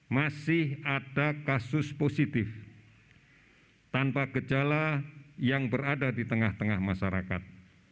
masih ada kasus positif tanpa gejala yang berada di tengah tengah masyarakat